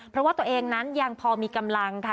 เพราะว่าตัวเองนั้นยังพอมีกำลังค่ะ